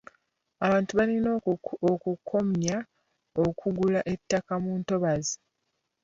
Abantu balina okukomya okugula ettaka mu ntobazi.